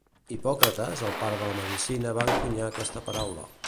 Hipòcrates, el pare de la medicina va encunyar aquesta paraula.